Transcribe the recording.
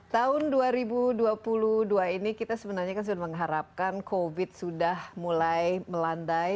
tahun dua ribu dua puluh dua ini kita sebenarnya sudah mengharapkan covid sudah mulai melandai